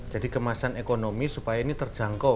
jadi kemasan ekonomi supaya ini terjangkau